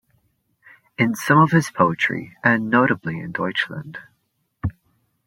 In some of his poetry, and notably in Deutschland.